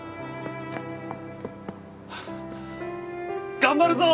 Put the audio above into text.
頑張るぞー！